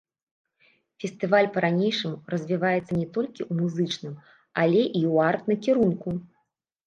Фестываль па-ранейшаму развіваецца не толькі ў музычным, але і ў арт-накірунку.